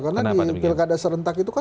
karena di pilkada serentak itu kan